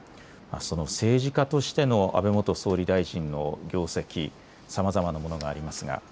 政治家としての安倍元総理大臣の業績、さまざまなものがありますが。